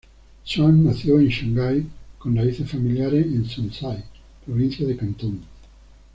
Tsang nació en Shanghái con raíces familiares en Zhuhai, Provincia de Cantón.